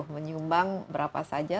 menyumbang berapa saja